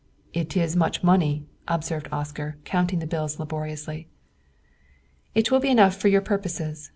"It is much money," observed Oscar, counting the bills laboriously. "It will be enough for your purposes.